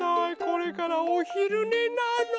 これからおひるねなの。